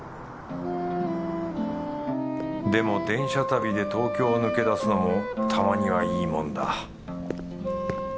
でも電車旅で東京を抜け出すのもたまにはいいもんだ